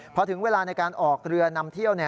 พอถึงเวลาในการออกเรือนำเที่ยว